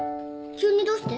急にどうして？